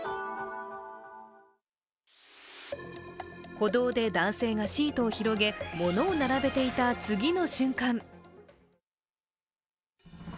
歩道で男性がシートを広げ物を並べていた次の瞬間